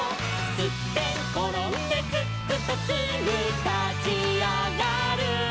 「すってんころんですっくとすぐたちあがる」